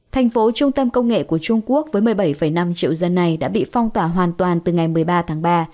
thành phố trung tâm công nghệ của trung quốc với một mươi bảy năm triệu dân này đã bị phong tỏa hoàn toàn từ ngày một mươi ba tháng ba